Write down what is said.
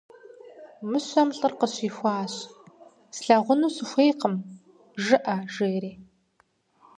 Мыщэм лӏыр къыщихуащ: - «Слъагъуну сыхуейкъым» жыӏэ, - жери.